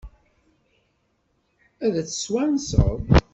Ad t-twanseḍ?